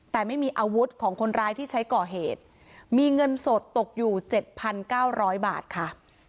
แต่ไม่มีอาวุธของคนร้ายที่ใช้ก่อเหตุมีเงินสดตกอยู่๗๙๐๐บาทค่ะ